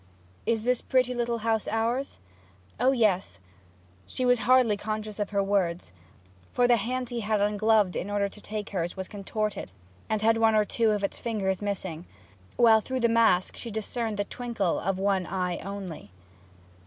'Is this pretty little house ours?' 'O yes.' She was hardly conscious of her words, for the hand he had ungloved in order to take hers was contorted, and had one or two of its fingers missing; while through the mask she discerned the twinkle of one eye only.